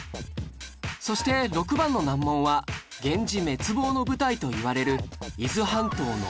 そして６番の難問は源氏滅亡の舞台といわれる伊豆半島の温泉地